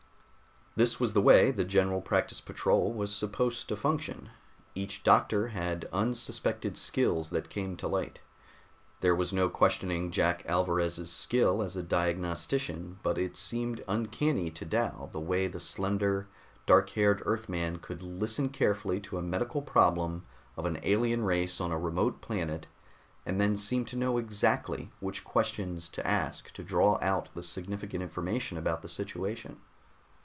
This was the way the General Practice Patrol was supposed to function. Each doctor had unsuspected skills that came to light. There was no questioning Jack Alvarez's skill as a diagnostician, but it seemed uncanny to Dal the way the slender, dark haired Earthman could listen carefully to a medical problem of an alien race on a remote planet, and then seem to know exactly which questions to ask to draw out the significant information about the situation.